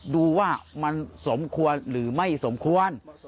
ดูว่ามันสมควรหรือไม่สมควร